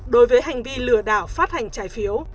đối với hành vi lừa đảo phát hành trái phiếu